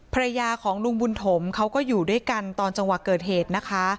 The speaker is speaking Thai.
ภรรยาของลุงบุญถมเขาก็อยู่ด้วยกันตอนจังหวะเกิดเหตุนะคะ